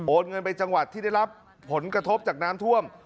เงินไปจังหวัดที่ได้รับผลกระทบจากน้ำท่วม